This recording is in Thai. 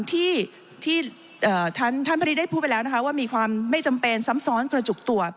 ที่ท่านไม่ได้พูดไปแล้วนะคะว่ามีความไม่จำเป็นซ้ำซ้อนกระจุกตัว